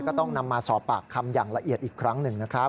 ก็ต้องนำมาสอบปากคำอย่างละเอียดอีกครั้งหนึ่งนะครับ